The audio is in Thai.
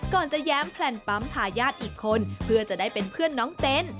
ก่อนจะแย้มแพลนปั๊มทายาทอีกคนเพื่อจะได้เป็นเพื่อนน้องเต้น